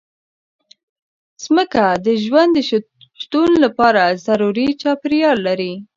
مځکه د ژوند د شتون لپاره ضروري چاپېریال لري.